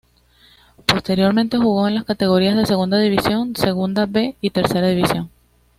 Posteriormente jugó en las categorías de Segunda División, Segunda "B" y Tercera División.